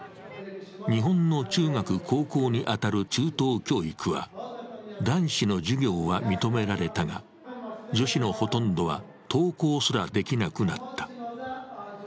日本の中学・高校に当たる中等教育は男子の授業は認められたが、女子のほとんどは登校すらできなくなった。